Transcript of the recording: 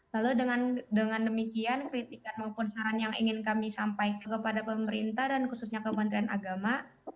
lalu dengan demikian kritikan maupun saran yang ingin kami sampaikan kepada pemerintah dan khususnya kementerian agama